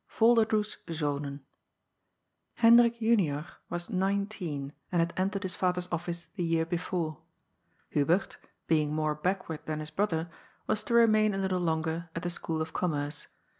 VOLDEBDOES ZOKEN. Hekdbik Junior was nineteen, and had entered his father's office the year before. Hubert, being more back ward than his brother, was to remain a little longer at the School of Commerce.